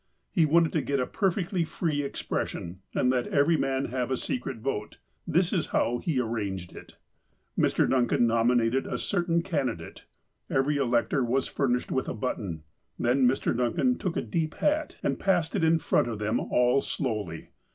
He wanted to get a perfectly free expression, and let every man have a secret vote. This is how he arranged it : Mr. Duncan nominated a certain candidate. Every elector was furnished with a button. Then Mr. Duncan took a deep hat, and j)assed it in front of them all slowly.